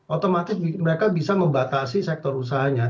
otomatis mereka bisa membatasi sektor usahanya